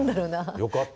よかった。